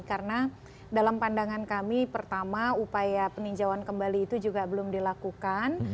karena dalam pandangan kami pertama upaya peninjauan kembali itu juga belum dilakukan